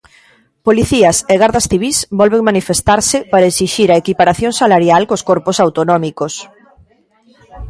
Policías e gardas civís volven manifestarse para esixir a equiparación salarial cos corpos autonómicos.